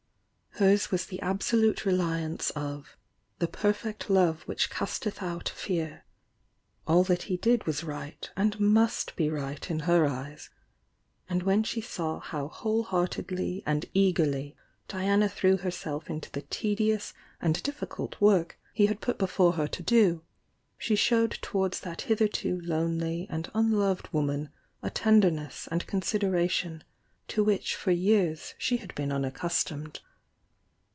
Hers was the absolute reliance of "the per fect love which casteth out fear;" all that he did was right and must be right in her eyes, — and when rfie saw how whole heartedly and eagerly Diana threw herself into the tedious and diflScult work he had put before her to do, she showed towards that hitherto lonely and unloved woman a tenderness and consideration to which for years she had been unaccustomed.